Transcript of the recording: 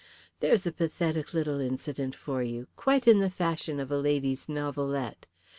There's a pathetic little incident for you, quite in the fashion of a lady's novelette.